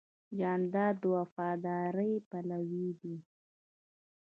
جانداد د وفادارۍ پلوی دی.